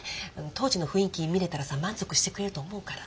当時の雰囲気見れたらさ満足してくれると思うから。